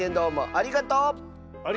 ありがとう！